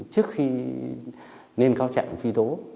trước khi nghiên cáo trạng truy tố